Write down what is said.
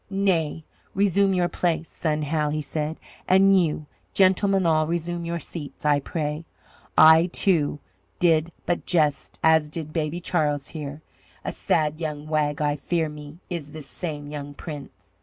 "Nay, resume your place, son Hal," he said, "and you, gentlemen all, resume your seats, I pray. I too did but jest as did Baby Charles here a sad young wag, I fear me, is this same young Prince."